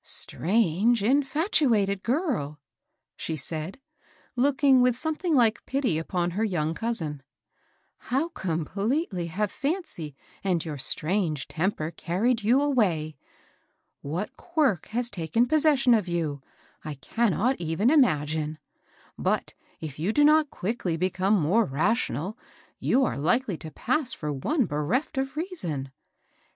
^^ Strange, in&tnated girl I " she said, looking with something like piiy upon her young cous in, " how completely have fency and your strange temper carried you away 1 What quirk has taken possession of you, I cannot even imagine; but, if you do not quickly become more rational, you are hkely to pass for one bereft of reason.